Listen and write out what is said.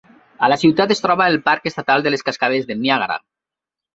A la ciutat es troba el parc estatal de les cascades del Niàgara.